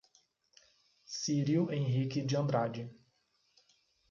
Cirio Henrique de Andrade